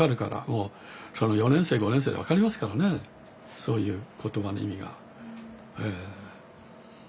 もう４年生５年生で分かりますからねそういう言葉の意味が。